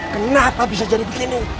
kenapa bisa jadi begini